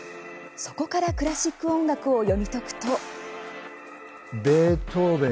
そこからクラシック音楽を読み解くと。